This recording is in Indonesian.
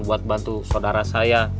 buat bantu saudara saya